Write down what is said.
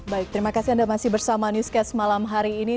baik terima kasih anda masih bersama newscast malam hari ini